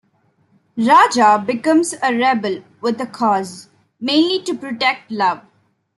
Raja becomes a rebel with a cause, mainly to protect love.